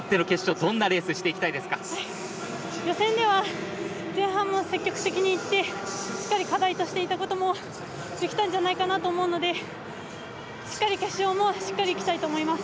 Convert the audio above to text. どんなレースを予選では、前半も積極的にいってしっかり課題としていたこともできたんじゃないかなと思うので決勝もしっかりいきたいと思います。